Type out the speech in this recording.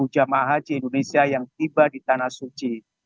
satu ratus dua puluh tujuh jemaah haji indonesia yang tiba di tanah suci